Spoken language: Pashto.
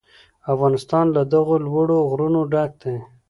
افغانستان له دغو لوړو غرونو ډک دی.